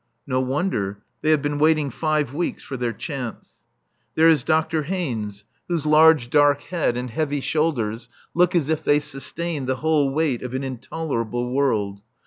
No wonder. They have been waiting five weeks for their chance. There is Dr. Haynes, whose large dark head and heavy shoulders look as if they sustained the whole weight of an intolerable world.